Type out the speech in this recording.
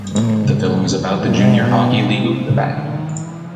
The film is about the Junior Hockey League of Quebec.